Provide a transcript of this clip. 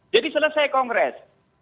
jadi selesai kongres